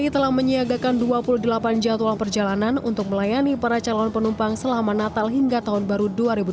telah menyiagakan dua puluh delapan jadwal perjalanan untuk melayani para calon penumpang selama natal hingga tahun baru dua ribu dua puluh